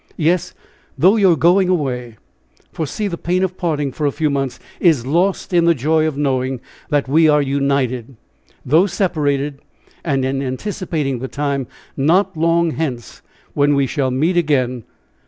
Yes, though you are going away; for, see! the pain of parting for a few months, is lost in the joy of knowing that we are united, though separated and in anticipating the time not long hence, when we shall meet again.